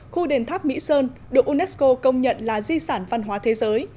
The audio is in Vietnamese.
khu đền tháp mỹ sơn được unesco công nhận là di sản văn hóa thế giới